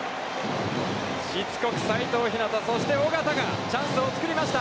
しつこく、齋藤陽、そして尾形がチャンスを作りました。